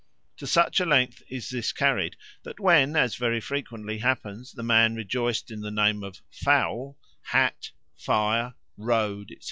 To such a length is this carried that when, as very frequently happens, the man rejoiced in the name of 'Fowl,' 'Hat', 'Fire,' 'Road,' etc.